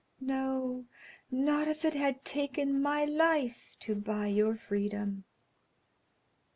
No, not if it had taken my life to buy your freedom."